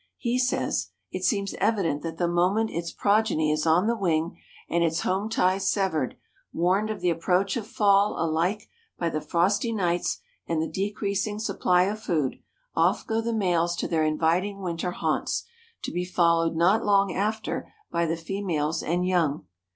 He says: "It seems evident that the moment its progeny is on the wing and its home ties severed, warned of the approach of fall alike by the frosty nights and the decreasing supply of food, off go the males to their inviting winter haunts, to be followed not long after by the females and young.